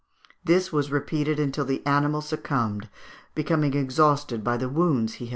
This was repeated until the animal succumbed, becoming exhausted by the wounds he had received."